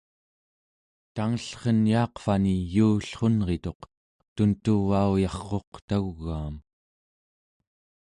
tangellren yaaqvani yuullrunrituq, tuntuvauyarquq tau͡gaam